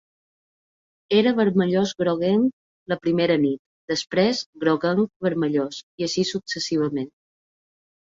Era vermellós-groguenc la primera nit, després groguenc-vermellós, i així successivament.